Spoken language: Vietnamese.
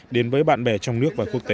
đến với bạn bè trong nước và quốc tế